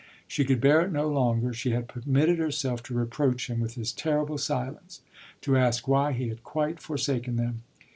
She could bear it no longer; she had permitted herself to reproach him with his terrible silence to ask why he had quite forsaken them.